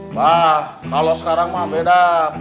mbak kalau sekarang mah beda